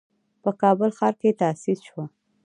په کابل ښار کې تأسيس شوه.